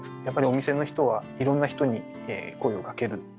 やっぱりお店の人はいろんな人に声をかける。